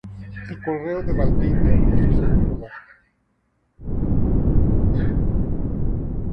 El Correo de Valdivia fue su segundo hogar.